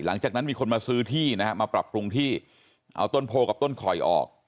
หลังจากนั้นมีคนมาซื้อที่นะฮะมาปรับปรุงที่เอาต้นโพกับต้นคอยออก